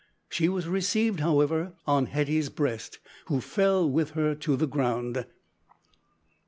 She was received, however, on Hetty's breast, who fell with her to the ground.